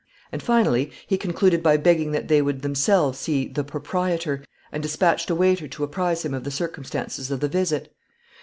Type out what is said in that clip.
And, finally, he concluded by begging that they would themselves see "the proprietor," and dispatched a waiter to apprise him of the circumstances of the visit.